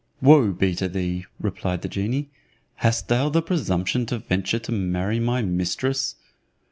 "Woe be to thee," replied the genie, "hast thou the presumption to venture to marry my mistress?"